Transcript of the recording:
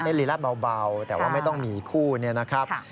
เต้นลีลาดเบาแต่ว่าไม่ต้องมีคู่นะครับ